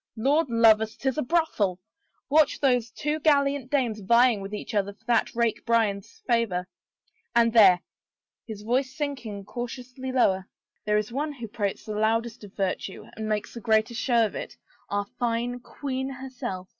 Lord love us, 'tis a brothel I Watch those two gallant dames vying with each other for that rake Bryan's favor I And there —" his voice sinking cau tiously lower —there is the one who prates the loudest of virtue and makes the greatest show of it — our fine queen herself.